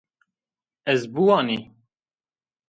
Ez biwanî